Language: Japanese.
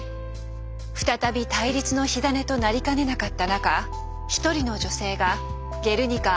再び対立の火種となりかねなかった中１人の女性が「ゲルニカ」